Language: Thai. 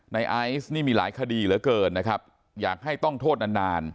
ไอซ์นี่มีหลายคดีเหลือเกินนะครับอยากให้ต้องโทษนานนาน